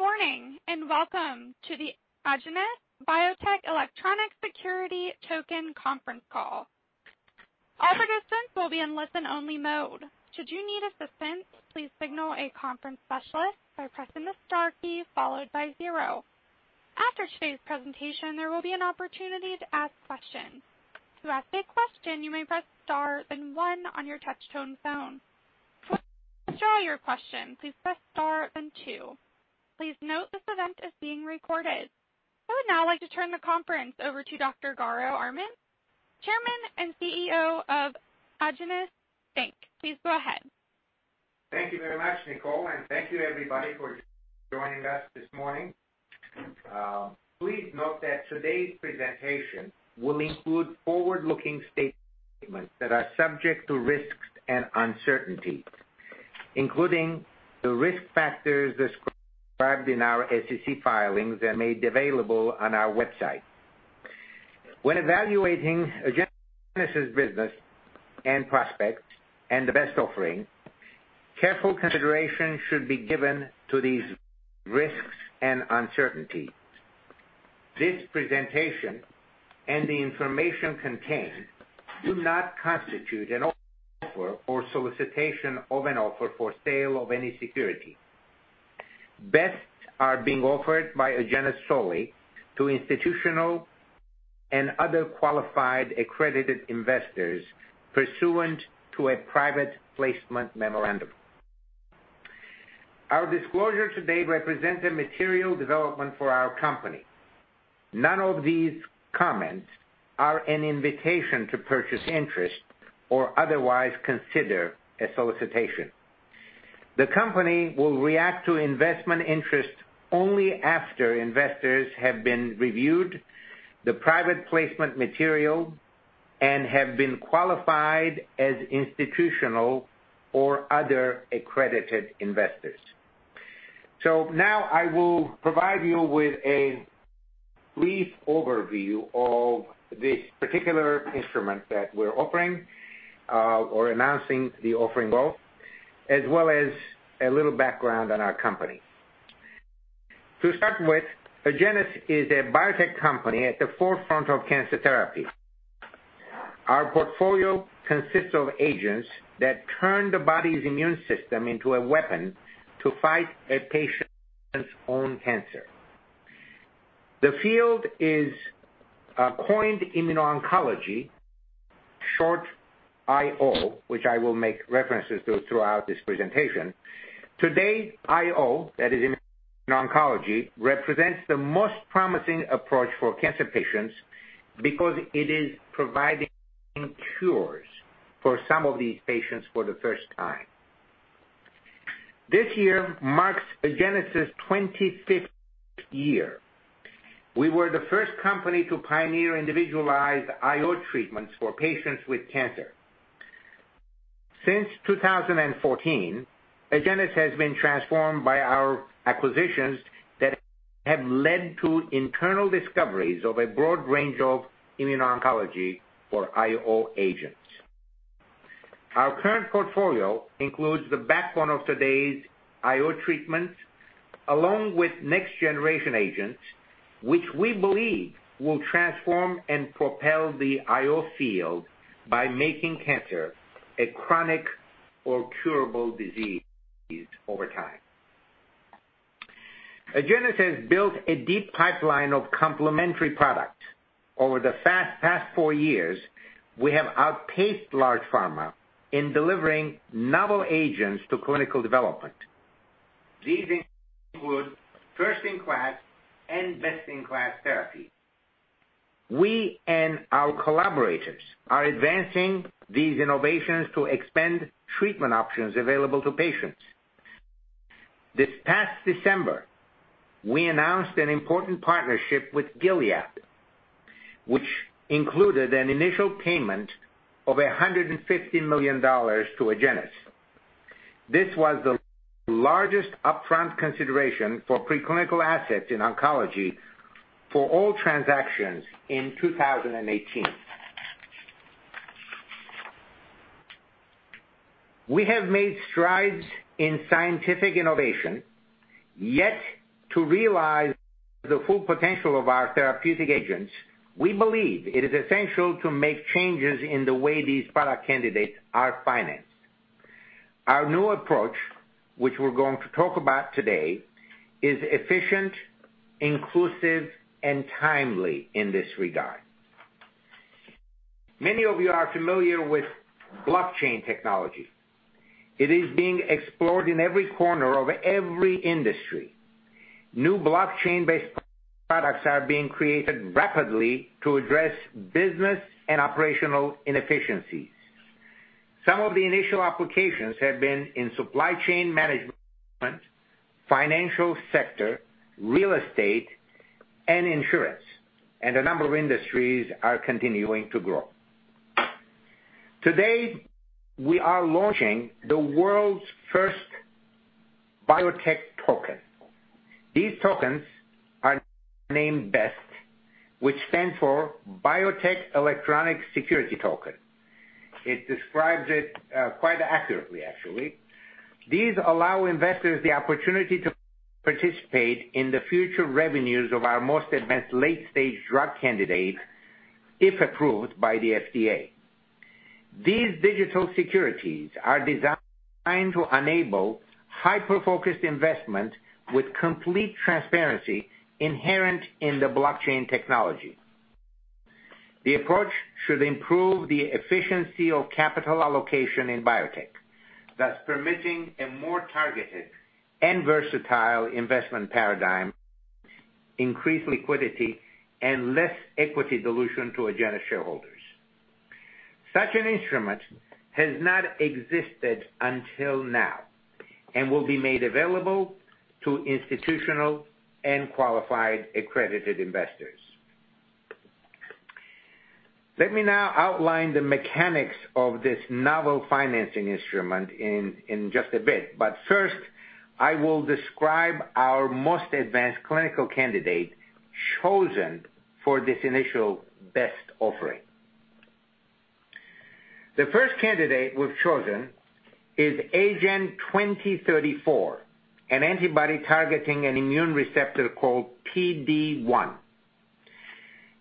Good morning, welcome to the Agenus Biotech Electronic Security Token conference call. All participants will be in listen-only mode. Should you need assistance, please signal a conference specialist by pressing the star key followed by zero. After today's presentation, there will be an opportunity to ask questions. To ask a question, you may press star then one on your touch-tone phone. To withdraw your question, please press star then two. Please note this event is being recorded. I would now like to turn the conference over to Dr. Garo Armen, Chairman and CEO of Agenus Inc. Please go ahead. Thank you very much, Nicole, thank you everybody for joining us this morning. Please note that today's presentation will include forward-looking statements that are subject to risks and uncertainties, including the risk factors described in our SEC filings and made available on our website. When evaluating Agenus' business and prospects and the BEST offering, careful consideration should be given to these risks and uncertainties. This presentation and the information contained do not constitute an offer or solicitation of an offer for sale of any security. BEST are being offered by Agenus solely to institutional and other qualified accredited investors pursuant to a private placement memorandum. Our disclosure today represents a material development for our company. None of these comments are an invitation to purchase interest or otherwise consider a solicitation. The company will react to investment interest only after investors have been reviewed the private placement material and have been qualified as institutional or other accredited investors. Now I will provide you with a brief overview of this particular instrument that we're offering, or announcing the offering for, as well as a little background on our company. To start with, Agenus is a biotech company at the forefront of cancer therapy. Our portfolio consists of agents that turn the body's immune system into a weapon to fight a patient's own cancer. The field is coined immuno-oncology, short I-O, which I will make references to throughout this presentation. Today, I-O, that is immuno-oncology, represents the most promising approach for cancer patients because it is providing cures for some of these patients for the first time. This year marks Agenus' twenty-fifth year. We were the first company to pioneer individualized I-O treatments for patients with cancer. Since 2014, Agenus has been transformed by our acquisitions that have led to internal discoveries of a broad range of immuno-oncology or I-O agents. Our current portfolio includes the backbone of today's I-O treatments, along with next generation agents, which we believe will transform and propel the I-O field by making cancer a chronic or curable disease over time. Agenus has built a deep pipeline of complementary products. Over the past four years, we have outpaced large pharma in delivering novel agents to clinical development. These include first-in-class and best-in-class therapy. We and our collaborators are advancing these innovations to expand treatment options available to patients. This past December, we announced an important partnership with Gilead, which included an initial payment of $150 million to Agenus. This was the largest upfront consideration for preclinical assets in oncology for all transactions in 2018. We have made strides in scientific innovation. Yet to realize the full potential of our therapeutic agents, we believe it is essential to make changes in the way these product candidates are financed. Our new approach, which we are going to talk about today, is efficient, inclusive and timely in this regard. Many of you are familiar with blockchain technology. It is being explored in every corner of every industry. New blockchain-based products are being created rapidly to address business and operational inefficiencies. Some of the initial applications have been in supply chain management, financial sector, real estate, and insurance, and a number of industries are continuing to grow. Today, we are launching the world's first biotech token. These tokens are named BEST, which stands for Biotech Electronic Security Token. It describes it quite accurately actually. These allow investors the opportunity to participate in the future revenues of our most advanced late-stage drug candidate, if approved by the FDA. These digital securities are designed to enable hyper-focused investment with complete transparency inherent in the blockchain technology. The approach should improve the efficiency of capital allocation in biotech, thus permitting a more targeted and versatile investment paradigm, increased liquidity, and less equity dilution to Agenus shareholders. Such an instrument has not existed until now and will be made available to institutional and qualified accredited investors. Let me now outline the mechanics of this novel financing instrument in just a bit. First, I will describe our most advanced clinical candidate chosen for this initial BEST offering. The first candidate we have chosen is AGEN2034, an antibody targeting an immune receptor called PD-1.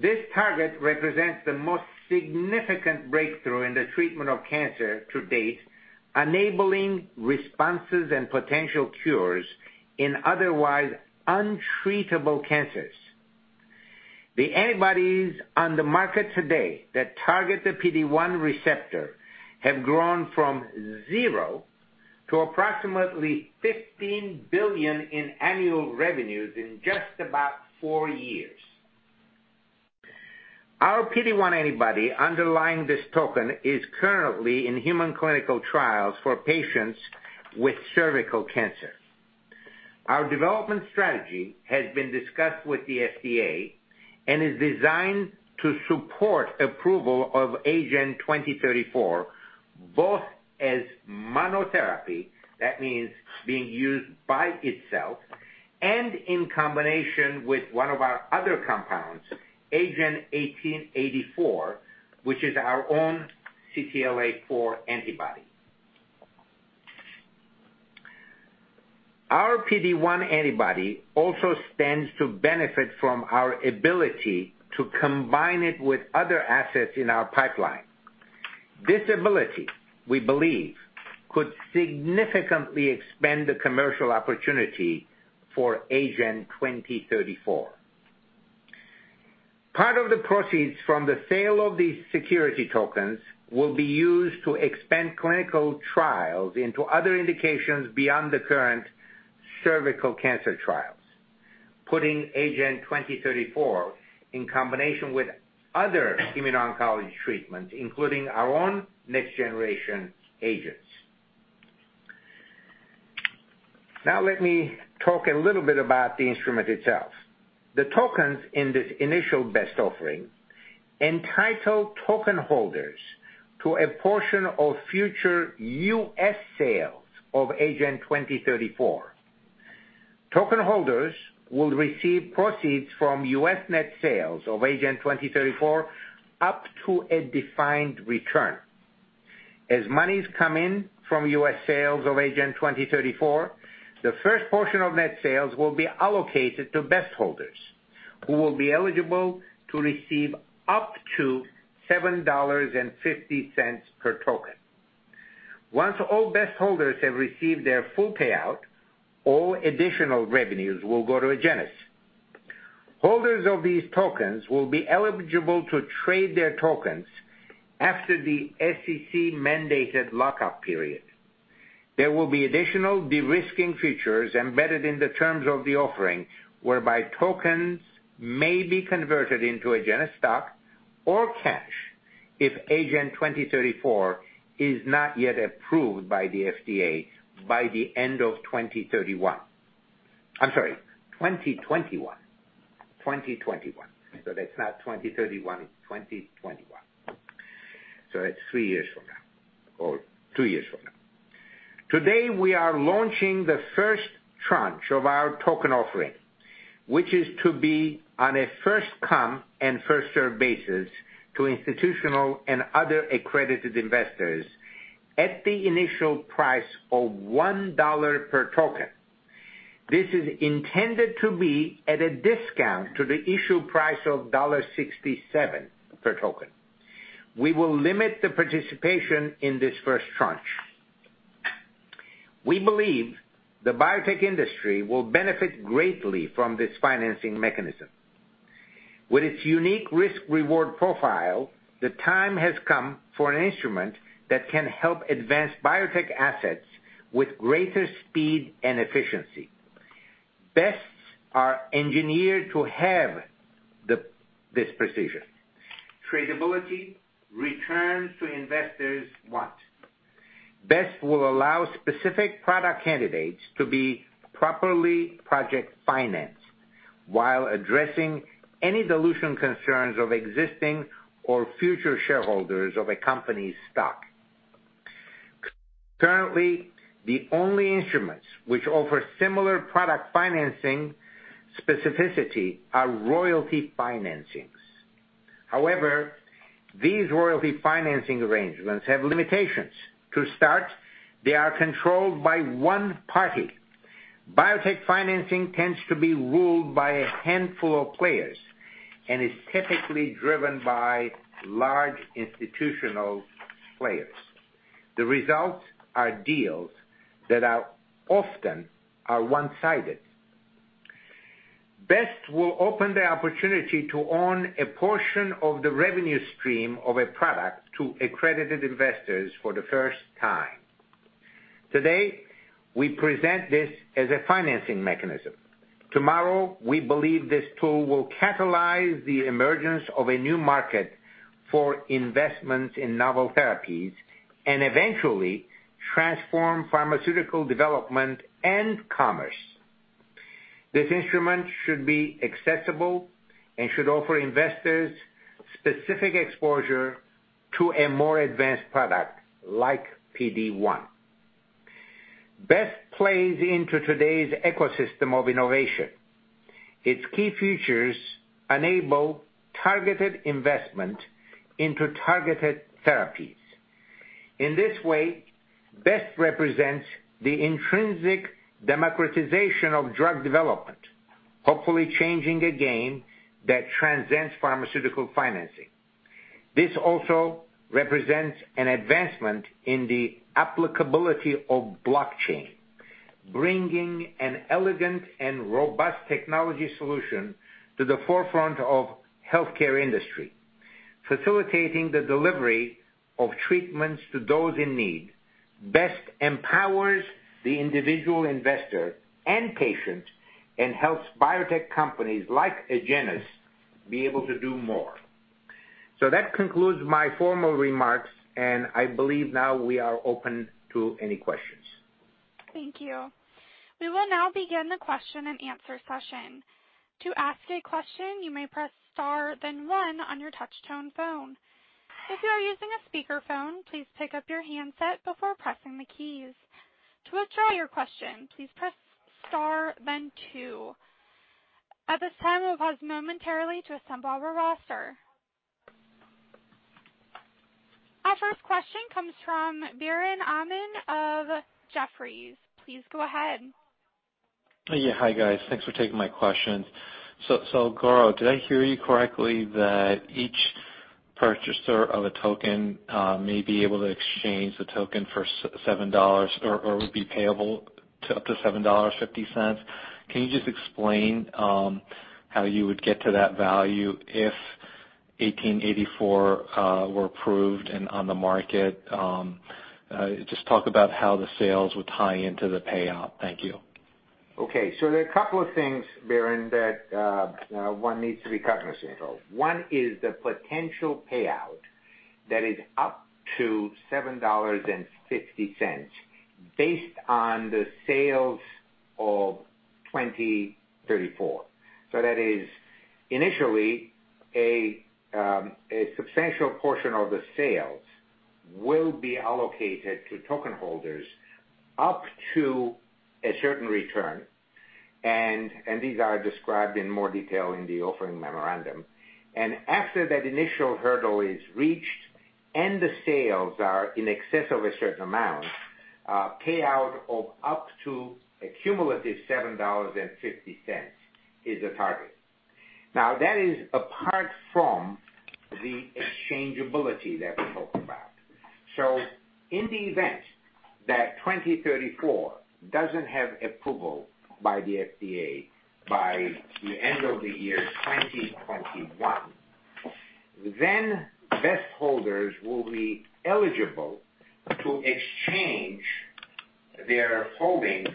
This target represents the most significant breakthrough in the treatment of cancer to date, enabling responses and potential cures in otherwise untreatable cancers. The antibodies on the market today that target the PD-1 receptor have grown from zero to approximately $15 billion in annual revenues in just about 4 years. Our PD-1 antibody underlying this token is currently in human clinical trials for patients with cervical cancer. Our development strategy has been discussed with the FDA and is designed to support approval of AGEN2034, both as monotherapy, that means being used by itself, and in combination with one of our other compounds, AGEN1884, which is our own CTLA-4 antibody. Our PD-1 antibody also stands to benefit from our ability to combine it with other assets in our pipeline. This ability, we believe, could significantly expand the commercial opportunity for AGEN2034. Part of the proceeds from the sale of these security tokens will be used to expand clinical trials into other indications beyond the current cervical cancer trials, putting AGEN2034 in combination with other immuno-oncology treatments, including our own next-generation agents. Let me talk a little bit about the instrument itself. The tokens in this initial BEST offering entitle token holders to a portion of future U.S. sales of AGEN2034. Token holders will receive proceeds from U.S. net sales of AGEN2034 up to a defined return. As monies come in from U.S. sales of AGEN2034, the first portion of net sales will be allocated to BEST holders, who will be eligible to receive up to $7.50 per token. Once all BEST holders have received their full payout, all additional revenues will go to Agenus. Holders of these tokens will be eligible to trade their tokens after the SEC-mandated lock-up period. There will be additional de-risking features embedded in the terms of the offering, whereby tokens may be converted into Agenus stock or cash if AGEN2034 is not yet approved by the FDA by the end of 2031. I'm sorry, 2021. 2021. That's not 2031, it's 2021. It's three years from now or two years from now. Today, we are launching the first tranche of our token offering, which is to be on a first-come and first-serve basis to institutional and other accredited investors at the initial price of $1 per token. This is intended to be at a discount to the issue price of $1.67 per token. We will limit the participation in this first tranche. We believe the biotech industry will benefit greatly from this financing mechanism. With its unique risk-reward profile, the time has come for an instrument that can help advance biotech assets with greater speed and efficiency. BEST are engineered to have this precision. Tradability, returns to investors what? BEST will allow specific product candidates to be properly project financed while addressing any dilution concerns of existing or future shareholders of a company's stock. Currently, the only instruments which offer similar product financing specificity are royalty financings. These royalty financing arrangements have limitations. To start, they are controlled by one party. Biotech financing tends to be ruled by a handful of players and is typically driven by large institutional players. The results are deals that are often are one-sided. BEST will open the opportunity to own a portion of the revenue stream of a product to accredited investors for the first time. Today, we present this as a financing mechanism. Tomorrow, we believe this tool will catalyze the emergence of a new market for investments in novel therapies, and eventually transform pharmaceutical development and commerce. This instrument should be accessible and should offer investors specific exposure to a more advanced product like PD-1. BEST plays into today's ecosystem of innovation. Its key features enable targeted investment into targeted therapies. In this way, BEST represents the intrinsic democratization of drug development, hopefully changing a game that transcends pharmaceutical financing. This also represents an advancement in the applicability of blockchain, bringing an elegant and robust technology solution to the forefront of healthcare industry, facilitating the delivery of treatments to those in need. BEST empowers the individual investor and patient, and helps biotech companies like Agenus be able to do more. That concludes my formal remarks, and I believe now we are open to any questions. Thank you. We will now begin the question and answer session. To ask a question, you may press star then one on your touch tone phone. If you are using a speakerphone, please pick up your handset before pressing the keys. To withdraw your question, please press star then two. At this time, we'll pause momentarily to assemble our roster. Our first question comes from Biren Amin of Jefferies. Please go ahead. Yeah. Hi, guys. Thanks for taking my questions. Garo, did I hear you correctly that each purchaser of a token may be able to exchange the token for $7 or would be payable to up to $7.50? Can you just explain how you would get to that value if 1884 were approved and on the market? Just talk about how the sales would tie into the payout. Thank you. Okay. There are a couple of things, Biren, that one needs to be cognizant of. One is the potential payout that is up to $7.50, based on the sales of AGEN2034. That is initially a substantial portion of the sales will be allocated to token holders up to a certain return, and these are described in more detail in the offering memorandum. After that initial hurdle is reached and the sales are in excess of a certain amount, payout of up to a cumulative $7.50 is the target. That is apart from the exchangeability that we talked about. In the event that AGEN2034 doesn't have approval by the FDA by the end of the year 2021, then BEST holders will be eligible to exchange their holdings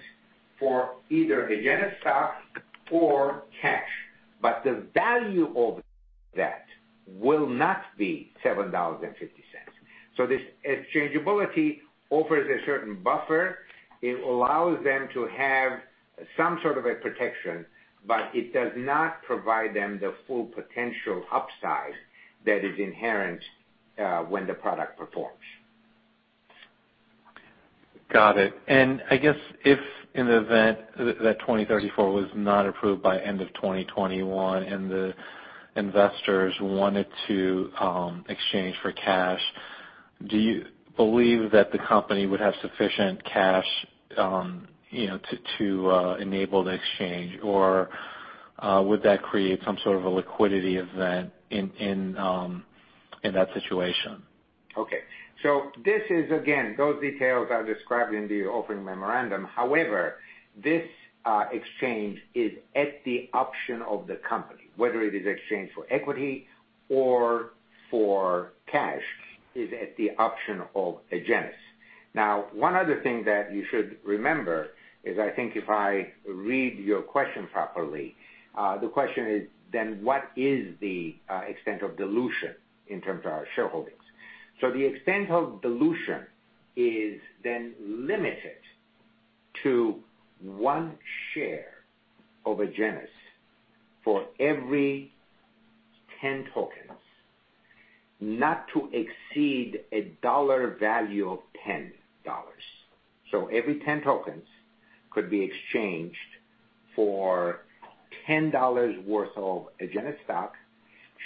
for either Agenus stock or cash. The value of that will not be $7.50. This exchangeability offers a certain buffer. It allows them to have some sort of a protection, but it does not provide them the full potential upside that is inherent when the product performs. Got it. I guess if in the event that AGEN2034 was not approved by end of 2021 and the investors wanted to exchange for cash, do you believe that the company would have sufficient cash to enable the exchange, or would that create some sort of a liquidity event in that situation? Okay. This is again, those details are described in the offering memorandum. However, this exchange is at the option of the company. Whether it is exchange for equity or for cash is at the option of Agenus. One other thing that you should remember is, I think if I read your question properly, the question is what is the extent of dilution in terms of our shareholdings? The extent of dilution is limited to one share of Agenus for every 10 tokens not to exceed a dollar value of $10. Every 10 tokens could be exchanged for $10 worth of Agenus stock,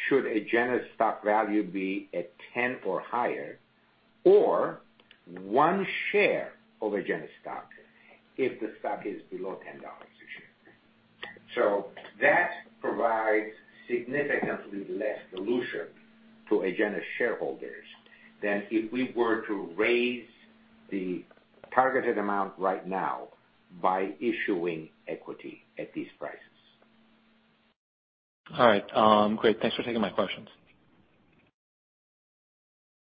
should Agenus stock value be at 10 or higher, or one share of Agenus stock if the stock is below $10 a share. That provides significantly less dilution to Agenus shareholders than if we were to raise the targeted amount right now by issuing equity at these prices. All right. Great. Thanks for taking my questions.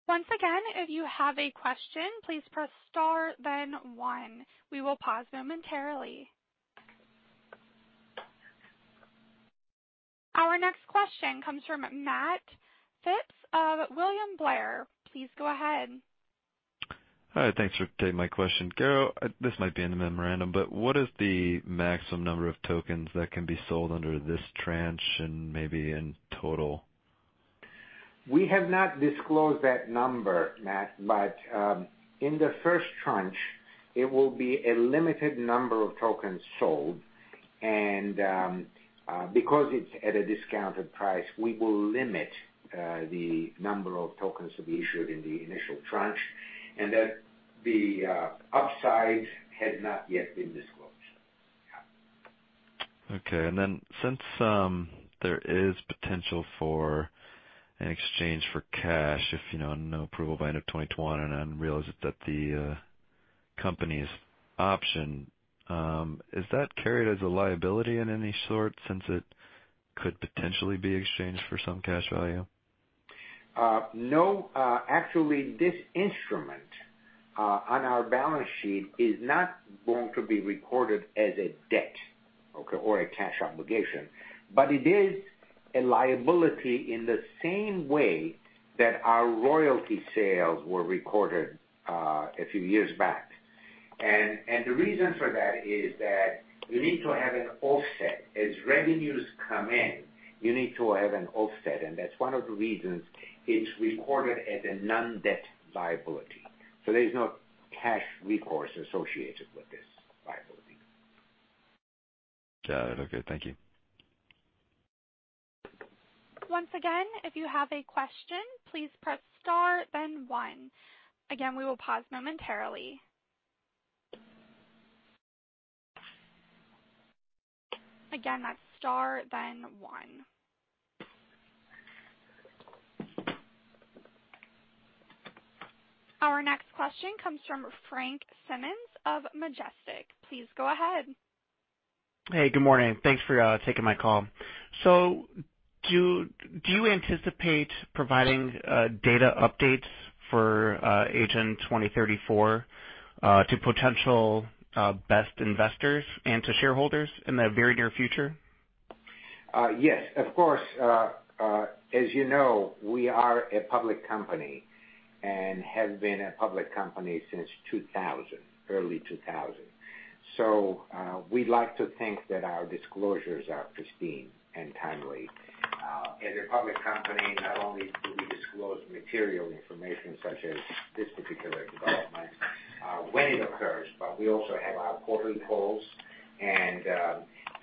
Once again, if you have a question, please press star then one. We will pause momentarily. Our next question comes from Matt Phipps of William Blair. Please go ahead. Hi, thanks for taking my question. Garo, this might be in the memorandum, but what is the maximum number of tokens that can be sold under this tranche and maybe in total? We have not disclosed that number, Matt. In the first tranche, it will be a limited number of tokens sold, and because it's at a discounted price, we will limit the number of tokens to be issued in the initial tranche, and that the upside has not yet been disclosed. Yeah. Okay. Since there is potential for an exchange for cash if no approval by end of 2021, and then realize that the company's option, is that carried as a liability in any sort since it could potentially be exchanged for some cash value? No. Actually, this instrument on our balance sheet is not going to be recorded as a debt or a cash obligation. It is a liability in the same way that our royalty sales were recorded a few years back. The reason for that is that you need to have an offset. As revenues come in, you need to have an offset, and that's one of the reasons it's recorded as a non-debt liability. There's no cash recourse associated with this liability. Got it. Okay. Thank you. Once again, if you have a question, please press star then one. Again, we will pause momentarily. Again, that's star then one. Our next question comes from Frank Simmons of Majestic. Please go ahead. Hey, good morning. Thanks for taking my call. Do you anticipate providing data updates for AGN AGEN2034 to potential BEST investors and to shareholders in the very near future? Yes, of course. As you know, we are a public company and have been a public company since 2000, early 2000. We like to think that our disclosures are pristine and timely. As a public company, not only do we disclose material information such as this particular development when it occurs, but we also have our quarterly calls and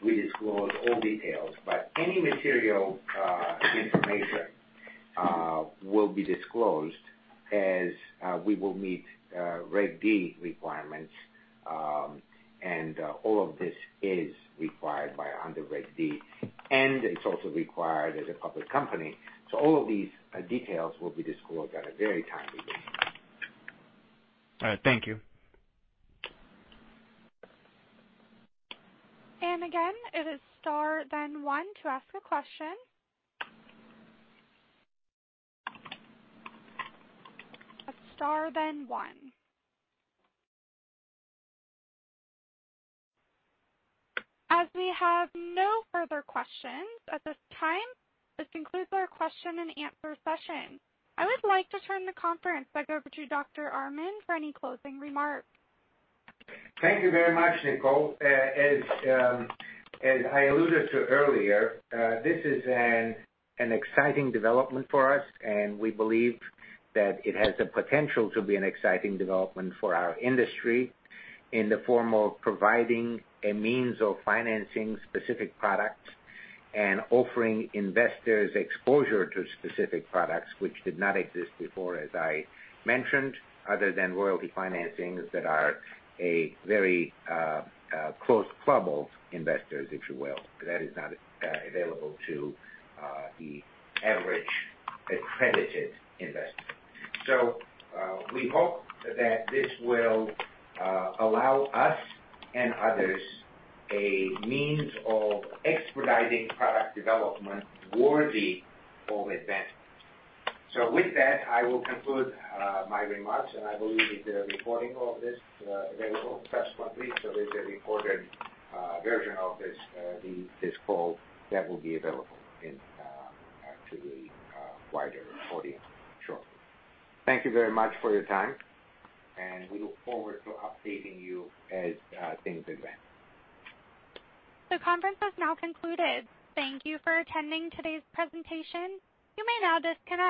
we disclose all details. Any material information will be disclosed as we will meet Regulation D requirements, and all of this is required under Regulation D, and it's also required as a public company. All of these details will be disclosed at a very timely basis. All right. Thank you. Again, it is star then one to ask a question. Star then one. We have no further questions at this time, this concludes our question and answer session. I would like to turn the conference back over to Dr. Armen for any closing remarks. Thank you very much, Nicole. I alluded to earlier, this is an exciting development for us, and we believe that it has the potential to be an exciting development for our industry in the form of providing a means of financing specific products and offering investors exposure to specific products which did not exist before, as I mentioned, other than royalty financings that are a very closed club of investors, if you will. That is not available to the average accredited investor. We hope that this will allow us and others a means of expediting product development worthy of investment. With that, I will conclude my remarks, and I believe there's a recording of this available subsequently. There's a recorded version of this call that will be available to a wider audience shortly. Thank you very much for your time. We look forward to updating you as things advance. The conference has now concluded. Thank you for attending today's presentation. You may now disconnect.